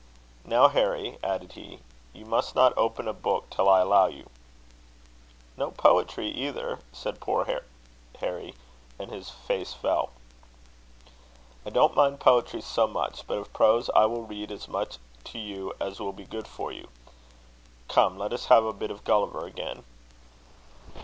"Now, Harry," added he, "you must not open a book till I allow you." "No poetry, either?" said poor Harry; and his face fell. "I don't mind poetry so much; but of prose I will read as much to you as will be good for you. Come, let us have a bit of Gulliver again."